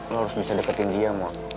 lo harus bisa deketin dia mau